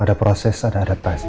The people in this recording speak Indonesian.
ada proses ada adaptasi